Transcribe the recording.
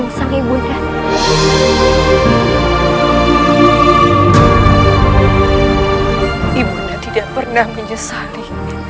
yaitu membunuh raka walang sengsara